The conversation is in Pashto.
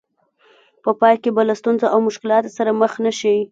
په پای کې به له ستونزو او مشکلاتو سره مخ نه شئ.